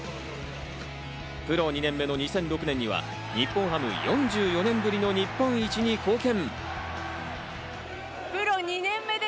プロ２年目の２００６年には日本ハム４４年ぶりの日本一に貢献。